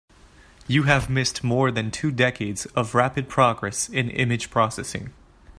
You have missed more than two decades of rapid progress in image processing.